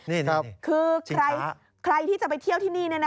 นี่คือใครที่จะไปเที่ยวที่นี่นี่นะคะ